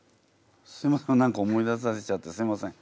すいません何か思い出させちゃってすいません。